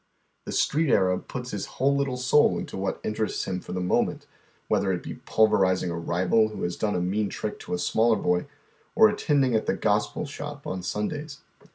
The Street Arab puts liis whole little soul into what interests him for the moment, wliether it be pulverizing a rival wlio has done a mean trick to a smaller boy, or attending at the "gospel shop" on Sundays.